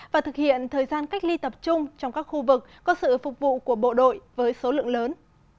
và thực hiện thời gian cách ly tập trung trong các khu vực có sự phục vụ của bộ đội với số lượng lớn